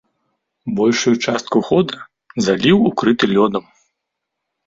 Большую частку года заліў укрыты лёдам.